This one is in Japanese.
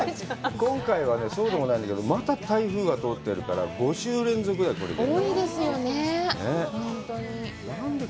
今回はね、そうでもないんだけど、また台風が通ってるから、５週連続だよ、これで。